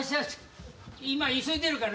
・今急いでるから。